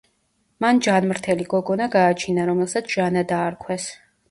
მან ჯანმრთელი გოგონა გააჩინა რომელსაც ჟანა დაარქვეს.